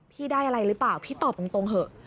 พี่ได้อะไรหรือเปล่าพี่ตอบตรงเถอะ